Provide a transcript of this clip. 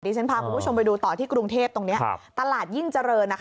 ฉันพาคุณผู้ชมไปดูต่อที่กรุงเทพตรงนี้ตลาดยิ่งเจริญ